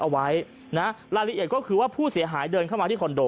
หละละเอียดก็คือผู้เสียหายเดินเข้ามาที่คอนโด